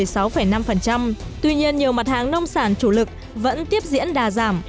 cụ thể giá trị xuất khẩu các mặt hàng nông sản chủ lực vẫn tiếp diễn đà giảm